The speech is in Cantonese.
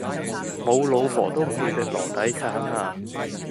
無老婆都唔要隻籮底橙呀